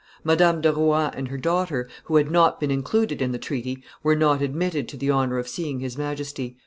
Madame de Rohan and her daughter, who had not been included in the treaty, were not admitted to the honor of seeing his Majesty.